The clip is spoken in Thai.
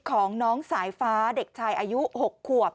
ของน้องสายฟ้าเด็กชายอายุ๖ขวบ